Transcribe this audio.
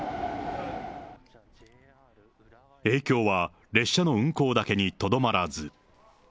影響は列車の運行だけにとどまらず。